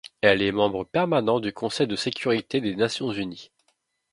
Elle est membre permanent du Conseil de sécurité des Nations unies.